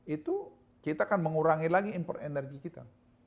itu kita akan mengurangi lagi import energi kita